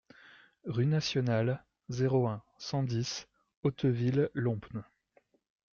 Rue Nationale, zéro un, cent dix Hauteville-Lompnes